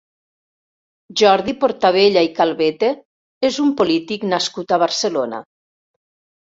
Jordi Portabella i Calvete és un polític nascut a Barcelona.